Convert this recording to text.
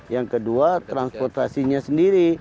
yang kedua transportasinya sendiri